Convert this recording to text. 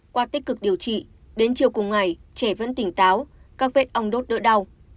qua tích cực điều trị đến chiều cùng ngày trẻ vẫn tỉnh táo các vết ong đốt đỡ đau